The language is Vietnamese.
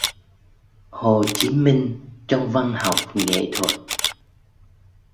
Hồ Chí Minh trong văn học, nghệ thuật